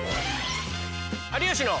「有吉の」。